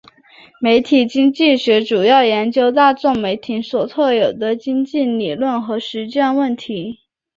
媒体经济学主要研究大众媒体所特有的经济理论和实践问题。